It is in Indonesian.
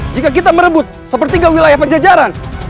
jika kita merebut sepertiga wilayah pajajaran